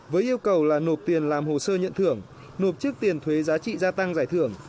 với yêu cầu là nộp tiền làm hồ sơ nhận thưởng nộp trước tiền thuế giá trị gia tăng giải thưởng